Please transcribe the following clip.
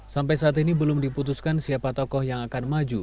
sampai saat ini belum diputuskan siapa tokoh yang akan maju